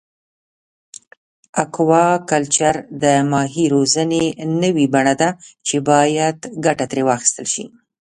اکواکلچر د ماهي روزنې نوی بڼه ده چې باید ګټه ترې واخیستل شي.